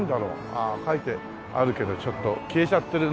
ああ書いてあるけどちょっと消えちゃってるな。